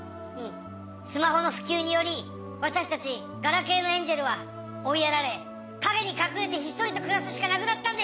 スマホの普及により私たちガラケーのエンゼルは追いやられ陰に隠れてひっそりと暮らすしかなくなったんです。